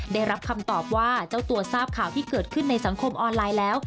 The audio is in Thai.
ได้รับคำตอบว่าเจ้าตัวทราบข่าวที่เกิดขึ้นในสังคมออนไลน์แล้ว